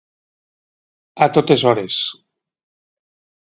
A totes hores.